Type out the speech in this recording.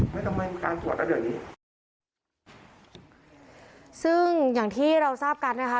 ไม่ต้องให้มีการตรวจก็เดือนนี้ซึ่งอย่างที่เราทราบกันนะคะ